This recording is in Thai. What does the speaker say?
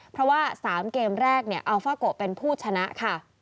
เพราะว่า๓เกมแรกเนี่ยอัลฟาโกะเป็นผู้ชนะค่ะ